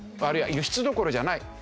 あるいは輸出どころじゃない。